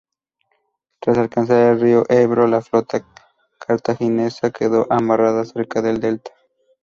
Tras alcanzar el río Ebro, la flota cartaginesa quedó amarrada cerca del delta.